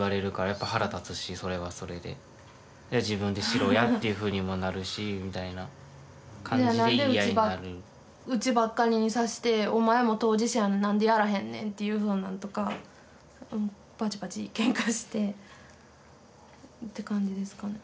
やっぱ腹立つしそれはそれで自分でしろやっていうふうにもなるしみたいな感じで言い合いになるうちばっかりにさせてお前も当事者やのに何でやらへんねんっていうふうなんとかバチバチケンカしてって感じですかね